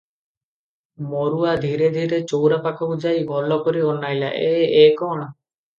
ମରୁଆ ଧୀରେ ଧୀରେ ଚଉରା ପାଖକୁ ଯାଇ ଭଲ କରି ଅନାଇଲା ଏଁ, ଏ କଣ?